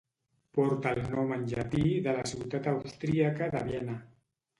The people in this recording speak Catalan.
Porta el nom en llatí de la ciutat austríaca de Viena.